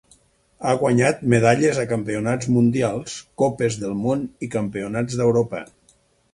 Ha guanyat medalles a Campionats Mundials, Copes del Món i Campionats d'Europa.